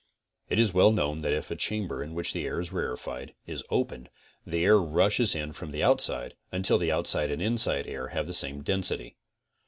It is well known that if a chamber, in which the air is rairified, is opened, the air rushes in from the outside until the outside and inside air have the same density.